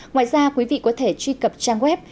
ngoài ra quý vị có thể truy cập trang web